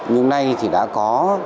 nhưng nay thì đã có